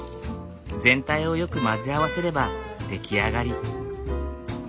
全体をよく混ぜ合わせれば出来上がり。